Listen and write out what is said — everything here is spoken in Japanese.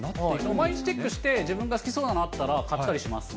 毎日チェックして、自分が好きそうなのあったら買ったりしますね。